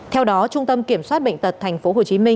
theo đó trung tâm kiểm soát bệnh tật tp hcm